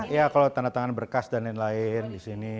ya kalau tanda tangan berkas dan lain lain di sini